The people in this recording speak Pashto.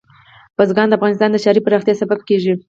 بزګان د افغانستان د ښاري پراختیا سبب کېږي.